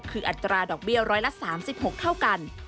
คืออัตราดอกเบี้ยว๑๓๖เท่ากัน